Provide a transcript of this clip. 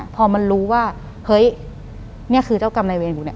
พอมันรู้ว่าเฮ้ยนี่คือเจ้ากำไรเวียนกูเนี่ย